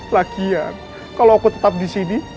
lagian kalau aku tetap di sini